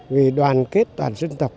vì đoàn kết toàn dân tộc